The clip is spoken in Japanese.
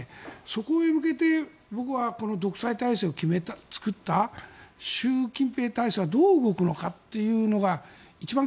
そこへ向けて僕は独裁体制を作った習近平体制はどう動くのかというのが一番